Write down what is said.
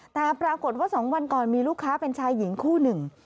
แต่ปรากฏว่า๒วันก่อนมีลูกค้าเป็นชายหญิงคู่หนึ่ง